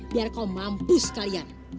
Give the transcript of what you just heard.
biar kau mampus kalian